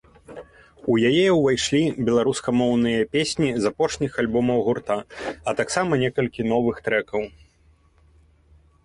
У яе ўвайшлі беларускамоўныя песні з апошніх альбомаў гурта, а таксама некалькі новых трэкаў.